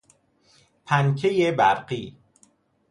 پنکه برقی